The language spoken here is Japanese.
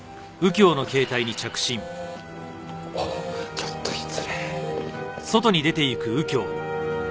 ああちょっと失礼。